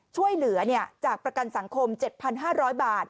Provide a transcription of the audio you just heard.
จากประกันสังคม๗๕๐๐บาท